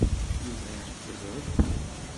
Yuba iɛebbed Ṛebbi.